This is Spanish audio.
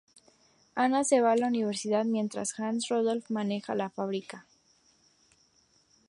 Anna se va a la universidad mientras Hans y Rodolphe manejan la fábrica.